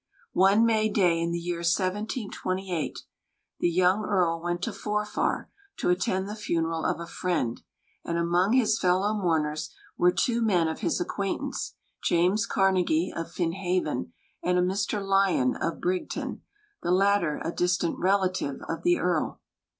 One May day in the year 1728, the young Earl went to Forfar to attend the funeral of a friend, and among his fellow mourners were two men of his acquaintance, James Carnegie, of Finhaven, and a Mr Lyon, of Brigton, the latter a distant relative of the Earl.